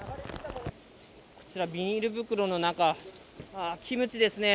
こちらビニール袋の中、キムチですね。